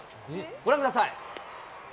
ご覧ください。